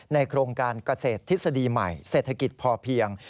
โครงการเกษตรทฤษฎีใหม่เศรษฐกิจพอเพียง